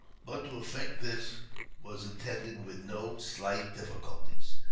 But to effect this was attended with no slight difficulties.